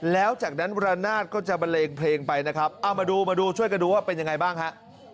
แล้วจากนั้นวรนาศก็จะบันเลงเพลงไปนะครับเอามาดูมาดูช่วยกันดูว่าเป็นยังไงบ้างฮะ